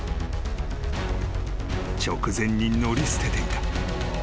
［直前に乗り捨てていた］